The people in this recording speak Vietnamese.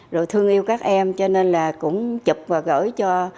rồi thương yêu các em cho nên là cũng chụp và gửi cho